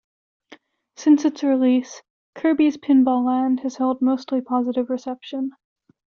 Since its release, "Kirby's Pinball Land" has held mostly positive reception.